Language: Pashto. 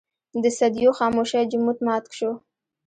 د صدېو خاموشۍ جمود مات شو.